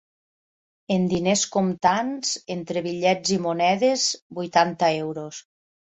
En diners comptants, entre bitllets i monedes, vuitanta euros.